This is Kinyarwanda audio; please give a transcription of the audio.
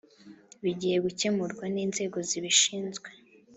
bigiye gukemurwa n inzego zibishinzwe